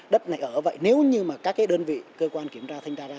đất này ở vậy nếu như mà các cái đơn vị cơ quan kiểm tra thanh tra ra